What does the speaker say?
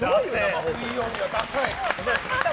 水曜日はダサい。